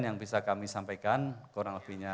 yang bisa kami sampaikan kurang lebihnya